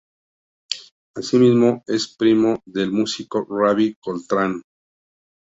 Así mismo es primo del músico Ravi Coltrane.